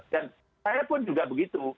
dan saya pun juga begitu